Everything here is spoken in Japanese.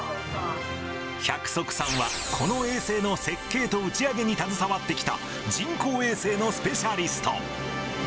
百束さんはこの衛星の設計と打ち上げに携わってきた、人工衛星のスペシャリスト。